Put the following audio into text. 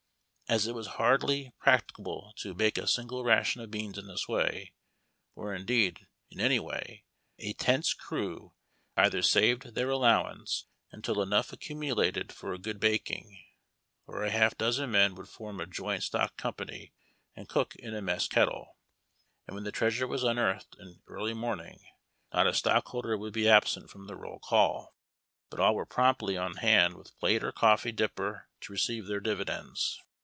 As it was hardly practicable to bake a single ration of beans in this wajs or, indeed, in any way, a tent's crew either saved their allowance until enougli accumulated for a good baking, or a half dozen men would form a joint stock company, and cook in a mess kettle ; and when tlie treasure was unearthed in early morning not a stockliolder would be absent from the roll call, but all were promptly on hand with plate or coffee dipper to receive their dividends.